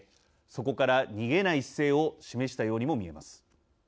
そこから逃げない姿勢を示したようにも見えます。